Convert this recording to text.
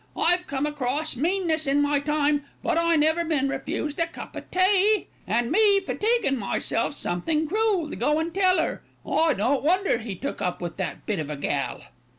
I've come across meanness in my time; but I never been refused a cup o' tea, an' me fatiguing myself something cruel to go an' tell 'er. I don't wonder he took up with that bit of a gal."